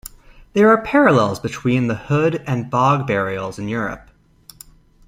There are parallels between the Hood and bog burials in Europe.